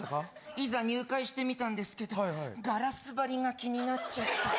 いざ入会してみたんですけど、ガラス張りが気になっちゃって。